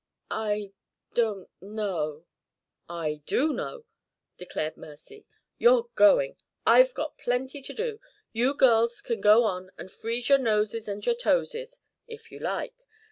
"I don't know " "I do know!" declared Mercy. "You're going. I've got plenty to do. You girls can go on and freeze your noses and your toeses, if you like.